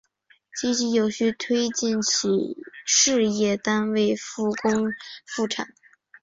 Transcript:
积极有序推进企事业单位复工复产